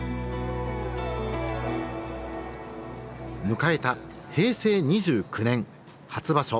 迎えた平成２９年初場所。